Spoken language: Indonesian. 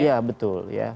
iya betul ya